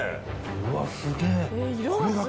うわっすげえ